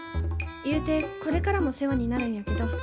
言うてこれからも世話になるんやけど。